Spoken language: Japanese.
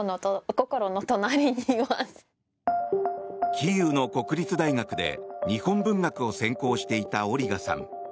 キーウの国立大学で日本文学を専攻していたオリガさん。